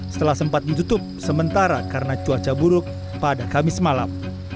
setelah sempat ditutup sementara karena cuaca buruk pada kamis malam